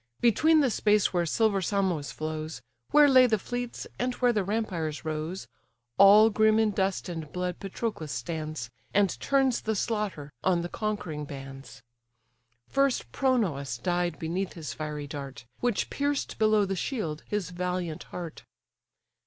Between the space where silver Simois flows, Where lay the fleets, and where the rampires rose, All grim in dust and blood Patroclus stands, And turns the slaughter on the conquering bands. First Pronous died beneath his fiery dart, Which pierced below the shield his valiant heart.